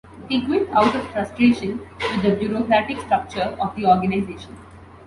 He quit out of frustration with the bureaucratic structure of the organization.